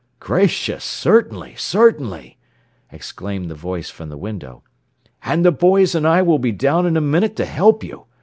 "Gracious! Certainly, certainly!" exclaimed the voice from the window. "And the boys and I will be down in a minute to help you.